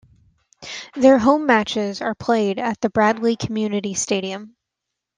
Their home matches are played at the Bradley Community Stadium.